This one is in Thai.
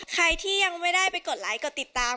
ใครที่ยังไม่ได้ไปกดไลค์กดติดตาม